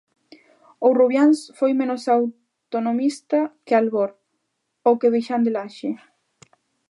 ¿Ou Rubiáns foi menos autonomista que Albor ou que Vixande Laxe?